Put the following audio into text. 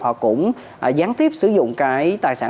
họ cũng gián tiếp sử dụng cái tài sản